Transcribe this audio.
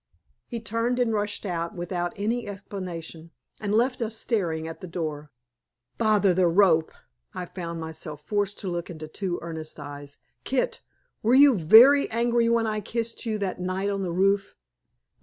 He turned and rushed out, without any explanation, and left us staring at the door. "Bother the rope!" I found myself forced to look into two earnest eyes. "Kit, were you VERY angry when I kissed you that night on the roof?"